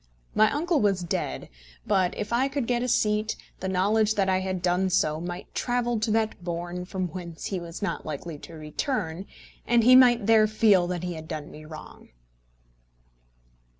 My uncle was dead, but if I could get a seat, the knowledge that I had done so might travel to that bourne from whence he was not likely to return, and he might there feel that he had done me wrong.